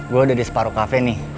gue udah di separuh kafe nih